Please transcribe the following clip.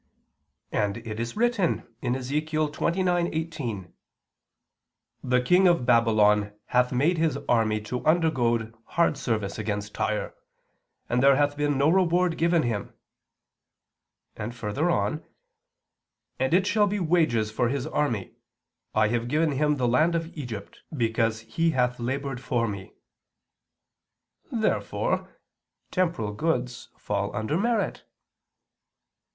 And it is written (Ezech. 29:18): "The King of Babylon hath made his army to undergo hard service against Tyre ... and there hath been no reward given him," and further on: "And it shall be wages for his army ... I have given him the land of Egypt because he hath labored for me." Therefore temporal goods fall under merit.